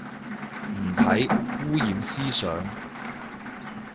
唔睇，污染思想